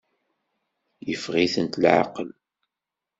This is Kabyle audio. Yeffeɣ-itent leɛqel.